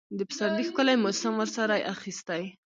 د پسرلي ښکلي موسم ورسره اخیستی.